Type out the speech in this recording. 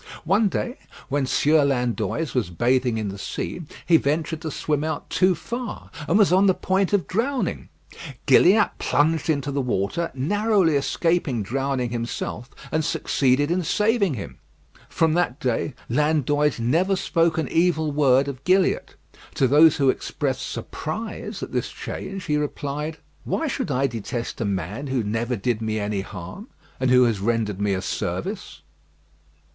One day, when Sieur Landoys was bathing in the sea, he ventured to swim out too far, and was on the point of drowning: Gilliatt plunged into the water, narrowly escaping drowning himself, and succeeded in saving him. From that day Landoys never spoke an evil word of Gilliatt. To those who expressed surprise at this change, he replied, "Why should I detest a man who never did me any harm, and who has rendered me a service?"